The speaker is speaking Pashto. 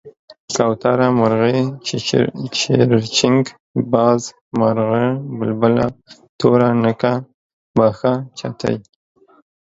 کوتره، مرغۍ، چيرچيڼک، باز، مارغه ،بلبله، توره ڼکه، باښه، چتی،